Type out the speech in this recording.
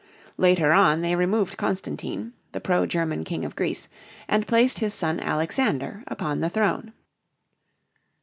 Later on, they removed Constantine, the pro German king of Greece, and placed his son Alexander upon the throne.